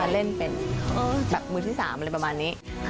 เล่นเป็นแบบมือที่๓อะไรประมาณนี้